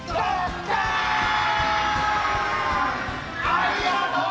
ありがとう！